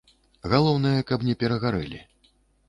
Галоўнае, каб не перагарэлі.